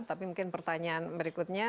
tapi mungkin pertanyaan berikutnya